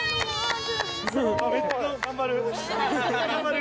めっちゃ頑張る！